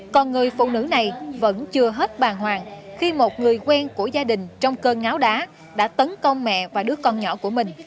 còn người phụ nữ này vẫn chưa hết bàng hoàng khi một người quen của gia đình trong cơn ngáo đá đã tấn công mẹ và đứa con nhỏ của mình